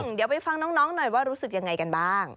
เดี๋ยวไปฟังน้องหน่อยว่ารู้สึกยังไงกันบ้าง